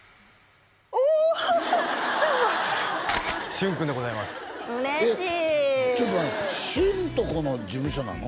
旬君でございます嬉しいちょっと待って旬のとこの事務所なの？